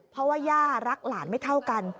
เพราะว่าย่ารักหลานไม่เท่ากัน